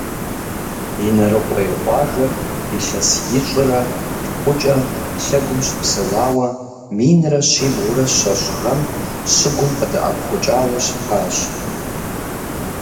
Инарыкъуей къуажэр илъэс ищӏрэ тхукӏэ лъэгум щыпсэуауэ, минрэ щибгъурэ щэщӏ гъэм щыгум къыдэӏэпхъукӏауэ щытащ.